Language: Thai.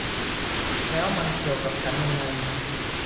แล้วมันเกี่ยวกับฉันยังไง